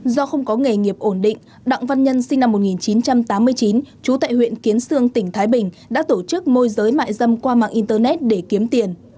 do không có nghề nghiệp ổn định đặng văn nhân sinh năm một nghìn chín trăm tám mươi chín trú tại huyện kiến sương tỉnh thái bình đã tổ chức môi giới mại dâm qua mạng internet để kiếm tiền